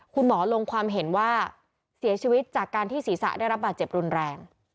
คุณหมอลงความเห็นว่าเสียชีวิตจากการที่ศีรษะได้รับบาดเจ็บรุนแรง